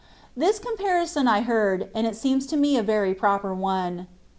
This comparison I heard, and it seems to me a very proper one.